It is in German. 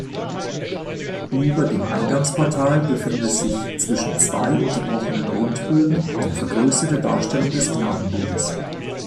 Über dem Eingangsportal befindet sich zwischen zwei unterbrochenen Rundbögen eine vergrößerte Darstellung des Gnadenbildes.